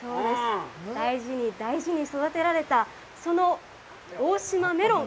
大事に大事に育てられたその大島メロン。